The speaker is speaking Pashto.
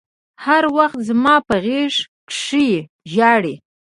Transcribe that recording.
هر وخت زما په غېږ کښې ژاړي.